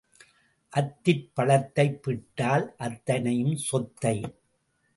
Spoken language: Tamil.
அத்திப் பழத்தைப் பிட்டால் அத்தனையும் சொத்தை.